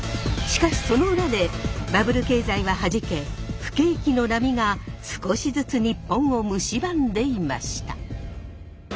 しかしその裏でバブル経済ははじけ不景気の波が少しずつ日本をむしばんでいました。